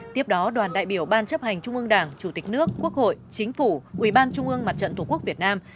tiếp đó đoàn đại biểu ban chấp hành trung ương đảng chủ tịch nước quốc hội chính phủ ubnd mặt trận tổ quốc việt nam